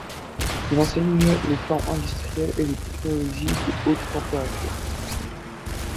Il enseigne les formes industrielles et les technologies des hautes températures.